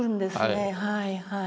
はいはい。